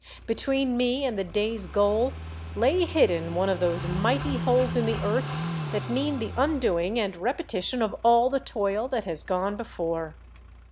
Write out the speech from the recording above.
Between me and the day's goal lay hidden one of those mighty holes in the earth that mean the un doing and repetition of all the toil that has gone before.